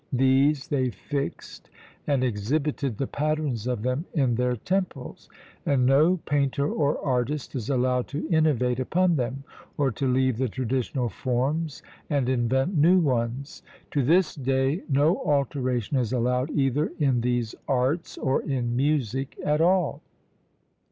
These they fixed, and exhibited the patterns of them in their temples; and no painter or artist is allowed to innovate upon them, or to leave the traditional forms and invent new ones. To this day, no alteration is allowed either in these arts, or in music at all.